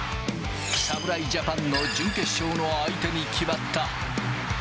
侍ジャパンの準決勝の相手に決まった。